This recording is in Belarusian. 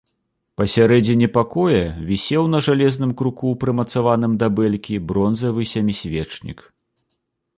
Пасярэдзіне пакоя вісеў на жалезным круку, прымацаваным да бэлькі, бронзавы сямісвечнік.